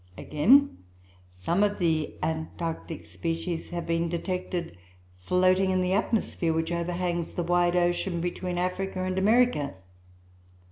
Again, some of the Antarctic species have been detected floating in the atmosphere which overhangs the wide ocean between Africa and America.